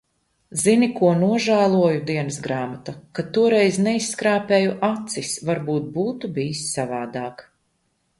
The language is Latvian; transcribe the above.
Zini, ko nožēloju, dienasgrāmata, ka toreiz neizskrāpēju acis, varbūt būtu bijis savādāk.